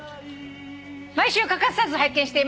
「毎週欠かさず拝見しています」